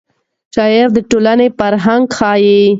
شعر د ټولنې فرهنګ ښیي.